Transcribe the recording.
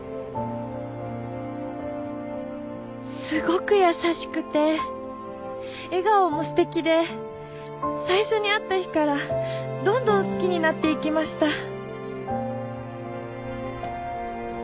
すごく優しくて笑顔もすてきで最初に会った日からどんどん好きになっていきました。